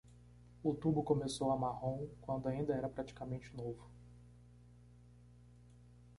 O tubo começou a marrom quando ainda era praticamente novo.